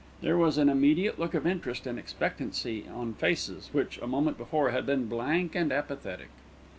There was an immediate look of interest and expectancy on faces which, a moment before, had been blank and apathetic.